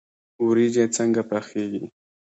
وریجې څنګه پخیږي؟